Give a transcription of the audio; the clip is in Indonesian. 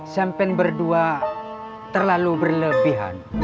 sempen berdua terlalu berlebihan